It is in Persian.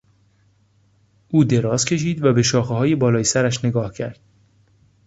او دراز کشید و به شاخههای بالای سرش نگاه کرد.